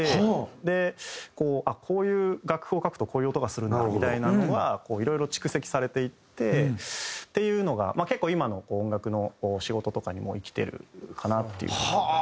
であっこういう楽譜を書くとこういう音がするんだみたいなのはこういろいろ蓄積されていってっていうのが結構今の音楽の仕事とかにも生きてるかなっていう。